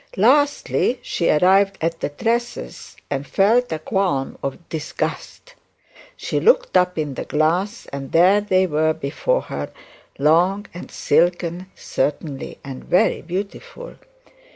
Lastly she arrived at the tresses and felt a qualm of disgust. She looked up in the glass, and there they were before her, long and silken, certainly, and very beautiful.